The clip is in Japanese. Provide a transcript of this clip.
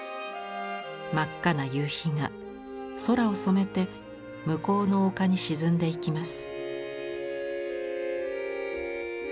真っ赤な夕日が空を染めて向こうの丘に沈んでいきます。